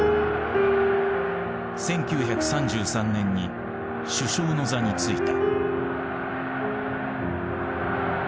１９３３年に首相の座に就いた。